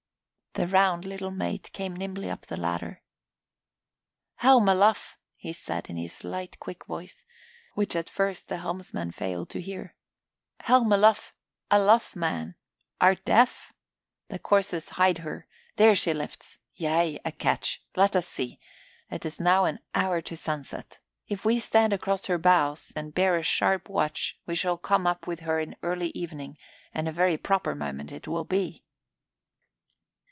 The round little mate came nimbly up the ladder. "Helm a luff!" said he in his light, quick voice, which at first the helmsman failed to hear. "Helm a luff! A luff, man! Art deaf? The courses hide her. There she lifts! Yea, a ketch. Let us see. It is now an hour to sunset. If we stand across her bows and bear a sharp watch we shall come up with her in early evening and a very proper moment it will be."